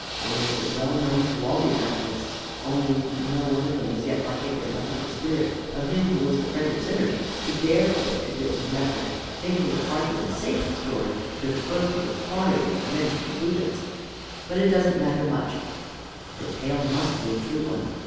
Or was it well known to all the evangelists, only no one of them was yet partaker enough of the spirit of him who was the friend of sinners, to dare put it on written record, thinking it hardly a safe story to expose to the quarrying of men's conclusions? But it doesn't matter much: the tale must be a true one.